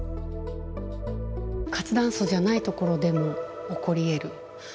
活断層じゃないところでも起こりえる。